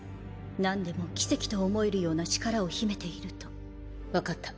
なんでも奇跡と思えるような力を秘めていると分かった。